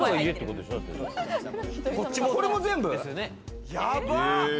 これも全部？やば！